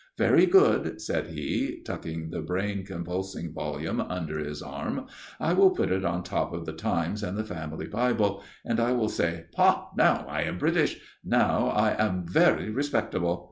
"Very good," said he, tucking the brain convulsing volume under his arm. "I will put it on top of The Times and the family Bible and I will say 'Ha! now I am British. Now I am very respectable!'